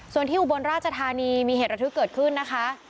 ส่วนที่อุบลราชธานีมีเหตุระทึกเกิดขึ้นนะคะ